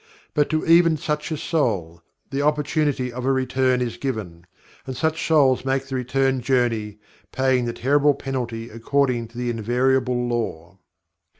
But to even such a soul, the opportunity of a return is given and such souls make the return journey, paying the terrible penalty according to the invariable Law.